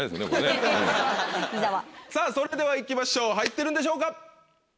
さぁそれでは行きましょう入ってるんでしょうか？